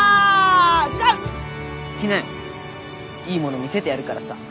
いいもの見せてやるからさ。